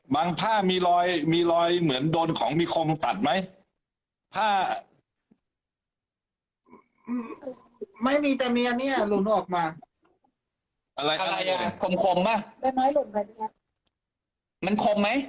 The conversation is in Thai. มังผ้ามีรอยมีรอยเหมือนโดนของมีคมตัดไหมผ้า